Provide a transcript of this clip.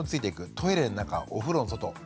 トイレの中お風呂の外。